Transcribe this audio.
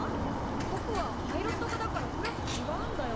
ぼくはパイロット科だからクラスちがうんだよ。